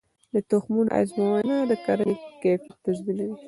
د تخمونو ازموینه د کرنې کیفیت تضمینوي.